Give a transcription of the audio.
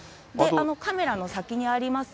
カメラの先にあります